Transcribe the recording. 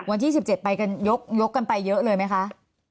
วันที่ยี่สิบเจ็ดไปกันยกกันไปเยอะเลยไหมคะ